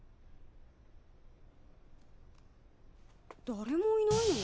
誰もいないの？